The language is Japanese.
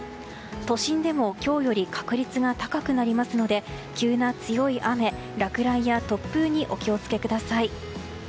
都心でも今日より確率が高くなりますので急な強い雨、落雷や突風にお気をつけください。